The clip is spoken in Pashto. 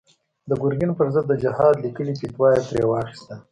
د ګرګين پر ضد د جهاد ليکلې فتوا يې ترې واخيسته.